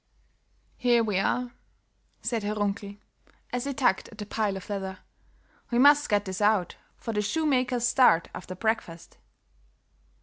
"Here we are," said Herr Runkel, as he tugged at the pile of leather. "We must get this out, for the shoemakers start after breakfast.